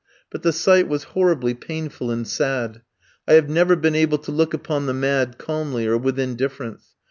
But the sight was horribly painful and sad. I have never been able to look upon the mad calmly or with indifference.